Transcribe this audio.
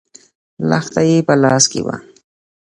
لښته يې په لاس کې وه.